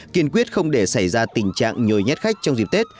kiên quyết không để xảy ra tình trạng nhồi nhét khách trong dịp tết